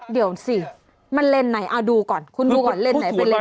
เดี๋ยวสิมันเลนส์ไหนเอาดูก่อนคุณดูก่อนเลนไหนเป็นเลน